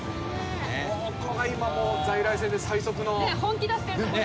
ここが今もう在来線で最速の。ね